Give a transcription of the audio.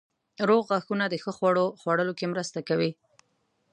روغ غاښونه د ښه خوړو خوړلو کې مرسته کوي.